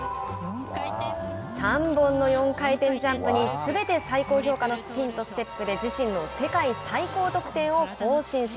３本の４回転ジャンプにすべて最高評価のスピンとステップで自身の世界最高得点を更新。